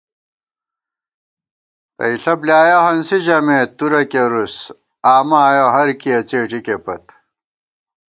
تئیݪہ بۡلیایَہ ہنسی ژَمېت، تُرہ کېرُس آمہ آیَہ ہرکِیہ څېٹِکےپت